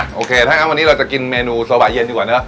โอเคถ้างั้นวันนี้เราจะกินเมนูสวายเย็นดีกว่าเนอ